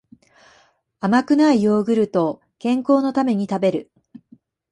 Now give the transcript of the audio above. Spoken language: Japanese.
甘くないヨーグルトを健康のために食べる